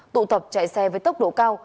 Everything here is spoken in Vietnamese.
tụ tập chạy xe với tốc độ cao